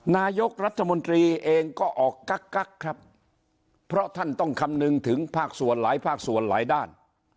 นายกรัฐมนตรีเองก็ออกกั๊กกักครับเพราะท่านต้องคำนึงถึงภาคส่วนหลายภาคส่วนหลายด้าน